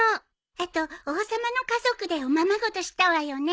あと王様の家族でおままごとしたわよね。